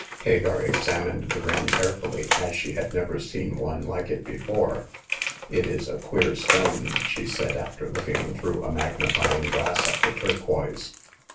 Hagar examined the ring carefully, as she had never seen one like it before. It is a queer stone," she said, after looking through a magnifying glass at the turquoise.